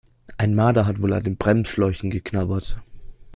Ein Marder hat wohl an den Bremsschläuchen geknabbert.